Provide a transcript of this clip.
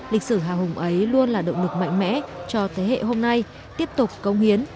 lịch sử hào hùng ấy luôn là động lực mạnh mẽ cho thế hệ hôm nay tiếp tục công hiến